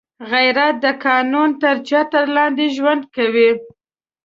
غیرت د قانون تر چتر لاندې ژوند کوي